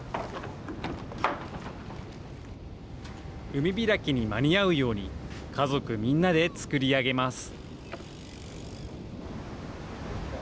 海開きに間に合うように、家族みんなで作り上げます。